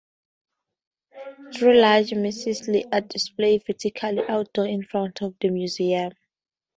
Three large missiles are displayed vertically outdoors in front of the museum.